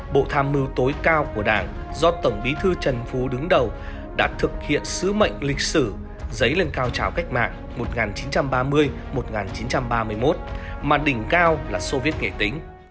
bộ tham mưu tối cao của đảng do tổng bí thư trần phú đứng đầu đã thực hiện sứ mệnh lịch sử giấy lên cao trào cách mạng một nghìn chín trăm ba mươi một nghìn chín trăm ba mươi một mà đỉnh cao là soviet nghệ tính